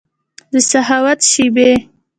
دسخاوت شیبې